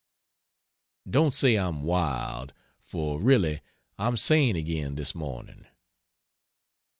] Don't say I'm wild. For really I'm sane again this morning.